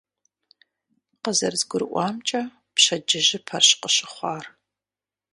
КъызэрызгурыӀуамкӀэ, пщэдджыжьыпэрщ къыщыхъуар.